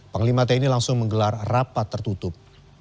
panglima tni langsung menggelar rapat tertutup